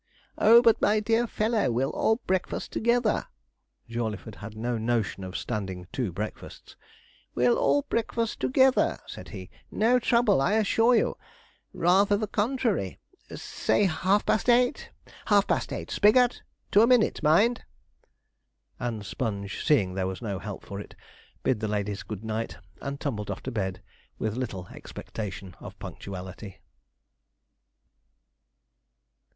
'Oh, but my dear fellow, we'll all breakfast together' (Jawleyford had no notion of standing two breakfasts), 'we'll all breakfast together,' said he; 'no trouble, I assure you rather the contrary. Say half past eight half past eight. Spigot! to a minute, mind.' And Sponge, seeing there was no help for it, bid the ladies good night, and tumbled off to bed with little expectation of punctuality.